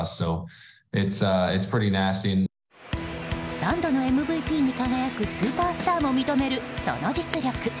３度のＭＶＰに輝くスーパースターも認めるその実力。